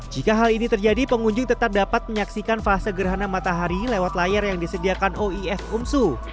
jika hal ini terjadi pengunjung tetap dapat menyaksikan fase gerhana matahari lewat layar yang disediakan oif umsu